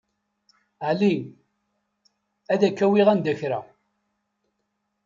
Ali. Ad k-awiɣ anda kra.